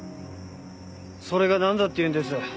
それがなんだっていうんです？